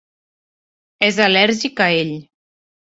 És al·lèrgic a ell.